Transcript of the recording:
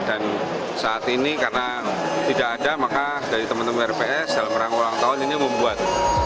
dan saat ini karena tidak ada maka dari teman teman rps dalam rangka ulang tahun ini membuat